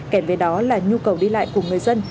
kể về đó là nhu cầu đi lại của người dân